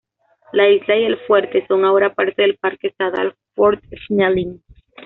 La isla y el fuerte son ahora parte del Parque Estadal Fort Snelling.